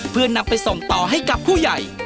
เพื่อนำไปส่งต่อให้กับผู้ใหญ่